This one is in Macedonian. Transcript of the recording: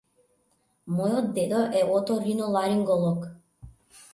Мојот дедо е оториноларинголог.